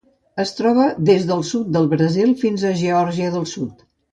Es troba des del sud del Brasil fins a Geòrgia del Sud.